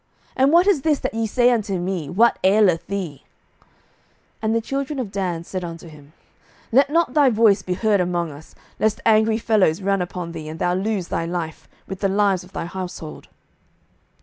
and what is this that ye say unto me, What aileth thee? 07:018:025 And the children of Dan said unto him, Let not thy voice be heard among us, lest angry fellows run upon thee, and thou lose thy life, with the lives of thy household.